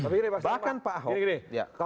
bahkan pak ahok